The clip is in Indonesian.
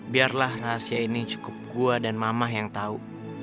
biarlah rahasia ini cukup gua dan mama yang tau